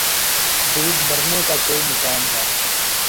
دوب مرنے کا کوئی مقام ہے